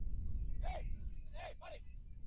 Hay una variedad de caballos cuyo pelaje es rizado.